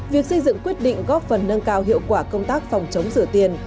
việc xây dựng quyết định góp phần nâng cao hiệu quả công tác phòng chống rửa tiền